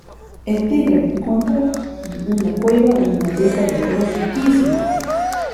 El Tigre encuentra en una cueva una veta de oro riquísima.